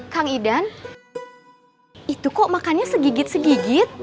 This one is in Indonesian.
kang idan itu kok makannya segigit segigit